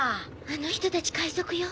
あの人たち海賊よ。